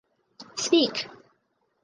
Speak!